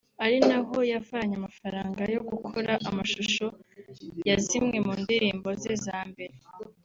ari naho yavanye amafaranga yo gukora amashusho ya zimwe mu ndirimbo ze za mbere